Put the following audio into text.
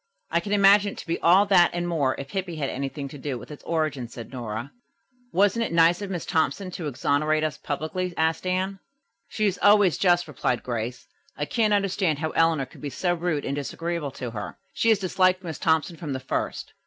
'" "I can imagine it to be all that and more if Hippy had anything to do with its origin," said Nora. "Wasn't it nice of Miss Thompson to exonerate us publicly?" asked Anne. "She is always just," replied Grace. "I can't understand how Eleanor could be so rude and disagreeable to her. She has disliked Miss Thompson from the first."